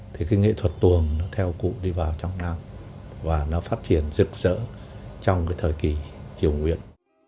thì cái nghệ thuật tuồng nó theo cụ đi vào trong nam và nó phát triển rực rỡ trong cái thời kỳ triều nguyễn